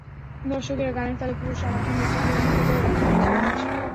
দর্শকেরা গানের তালে পুরো সময়টা নেচে-গেয়ে মুখর করে রাখেন এ-টিম মাঠ।